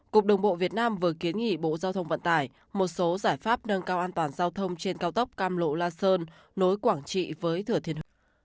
cục đồng bộ việt nam vừa kiến nghị bộ giao thông vận tải một số giải pháp nâng cao an toàn giao thông trên cao tốc cam lộ la sơn nối quảng trị với thừa thiên huế